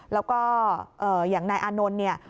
แล้วก็อย่างนายอานนท์เนี่ย